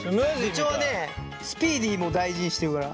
部長ねスピーディーも大事にしてるから。